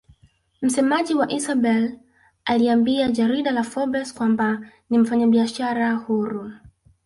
Msemaji wa Isabel aliambia jarida la Forbes kwamba ni mfanyabiashara huru